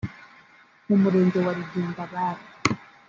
mu murenge wa Rugendabari